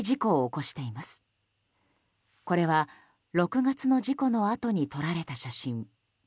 これは、６月の事故のあとに撮られた写真。